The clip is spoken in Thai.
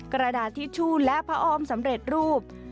กระดาษทิชชู่และพระออมสำเร็จรูป